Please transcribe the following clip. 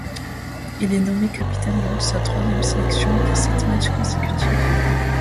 Il est nommé capitaine lors de sa troisième sélection pour sept matchs consécutifs.